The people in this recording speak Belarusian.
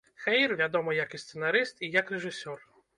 Хэйр, вядомы і як сцэнарыст, і як рэжысёр.